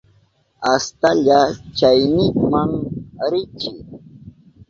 Astalla chaynikman riychi.